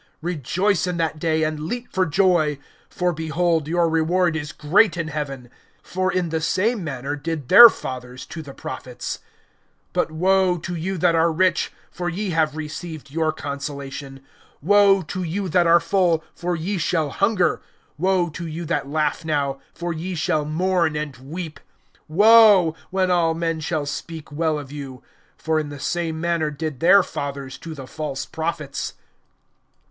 (23)Rejoice in that day, and leap for joy; for, behold, your reward is great in heaven; for in the same manner did their fathers to the prophets. (24)But woe to you that are rich; for ye have received your consolation. (25)Woe to you that are full; for ye shall hunger. Woe to you that laugh now; for ye shall mourn and weep. (26)Woe! when all men shall speak well of you; for in the same manner did their fathers to the false prophets.